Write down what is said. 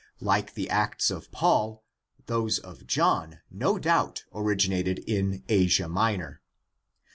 Like the Acts of Paul, those of John no doubt originated in Asia Minor.